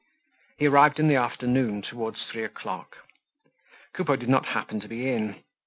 He arrived in the afternoon towards three o'clock. Coupeau did not happen to be in.